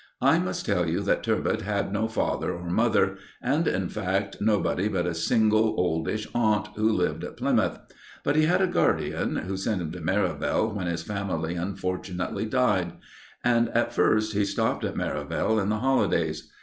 I must tell you that "Turbot" had no father or mother, and, in fact, nobody but a single, oldish aunt who lived at Plymouth. But he had a guardian, who sent him to Merivale when his family unfortunately died; and at first he stopped at Merivale in the holidays.